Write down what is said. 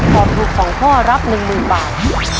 ตอบถูก๒ข้อรับ๑หมื่นบาท